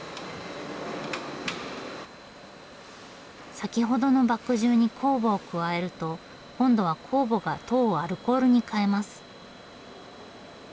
先ほどの麦汁に酵母を加えると今度は酵母が糖をアルコールに変えます。